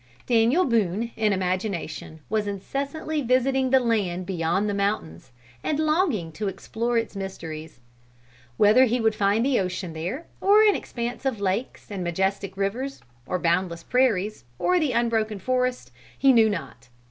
Daniel Boone, in imagination, was incessantly visiting the land beyond the mountains, and longing to explore its mysteries. Whether he would find the ocean there or an expanse of lakes and majestic rivers, or boundless prairies, or the unbroken forest, he knew not.